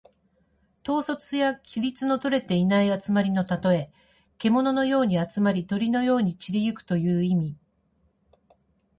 統率や規律のとれていない集まりのたとえ。けもののように集まり、鳥のように散り行くという意味。